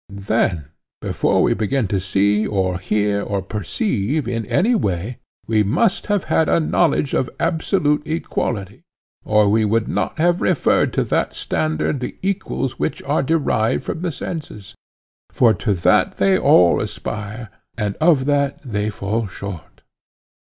Then before we began to see or hear or perceive in any way, we must have had a knowledge of absolute equality, or we could not have referred to that standard the equals which are derived from the senses?—for to that they all aspire, and of that they fall short.